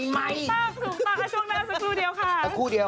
ต้องต่างข้างช่วงหน้าสักครู่เดียว